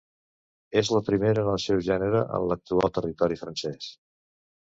És la primera en el seu gènere en l'actual territori francès.